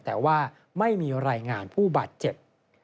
แต่ว่าไม่มีรายงานผู้บาดเจ็บ